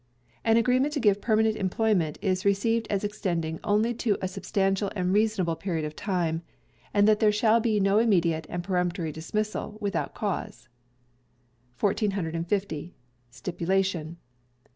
An Agreement to give Permanent Employment is received as extending only to a substantial and reasonable period of time, and that there shall be no immediate and peremptory dismissal, without cause. 1450. Stipulation.